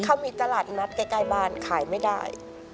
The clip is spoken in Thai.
เขามีตลาดนัดใกล้บ้านขายไม่ได้